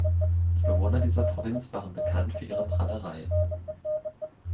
Die Bewohner dieser Provinz waren bekannt für ihre Prahlerei.